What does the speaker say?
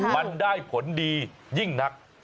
มันได้ผลดียิ่งนัก